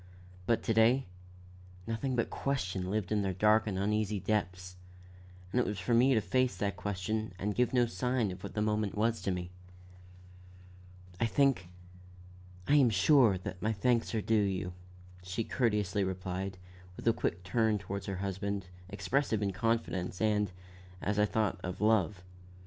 But to day, nothing but question lived in their dark and uneasy depths, and it was for me to face that question and give no sign of what the moment was to me. "I think I am sure, that my thanks are due you," she courteously replied, with a quick turn toward her husband, expressive of confidence, and, as I thought, of love.